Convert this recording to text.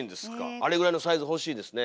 あれぐらいのサイズ欲しいですねえ。